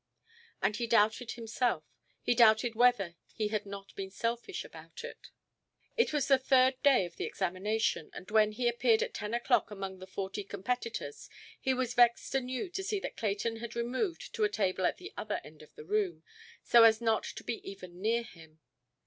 And he doubted himself; he doubted whether he had not been selfish about it. It was the third day of the examination, and when he appeared at ten oʼclock among the forty competitors, he was vexed anew to see that Clayton had removed to a table at the other end of the room, so as not to be even near him.